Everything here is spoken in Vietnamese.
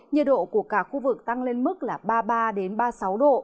nhiệt độ của cả khu vực tăng lên mức là ba mươi ba ba mươi sáu độ